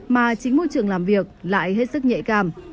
mà chính môi trường làm việc lại hết sức nhạy cảm